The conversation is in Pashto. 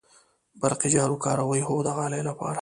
برقی جارو کاروئ؟ هو، د غالیو لپاره